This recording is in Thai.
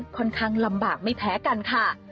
ค่อนข้างลำบากไม่แพ้กันค่ะ